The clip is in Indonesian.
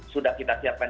sudah kita siapkan